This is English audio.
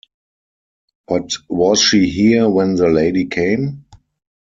But was she here when the lady came?